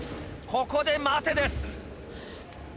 ここで待てです。